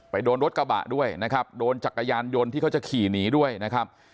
โดนรถกระบะด้วยนะครับโดนจักรยานยนต์ที่เขาจะขี่หนีด้วยนะครับ